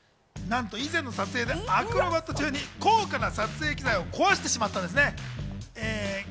なんと以前の撮影でアクロバット中に高価な撮影機材を壊してしまったんです。